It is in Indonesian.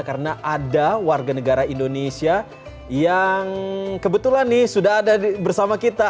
karena ada warga negara indonesia yang kebetulan nih sudah ada bersama kita